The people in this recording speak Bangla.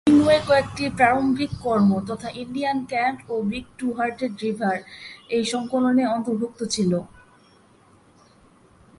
হেমিংওয়ের কয়েকটি প্রারম্ভিক কর্ম, তথা "ইন্ডিয়ান ক্যাম্প" ও "বিগ টু-হার্টেড রিভার" এই সংকলনে অন্তর্ভুক্ত ছিল।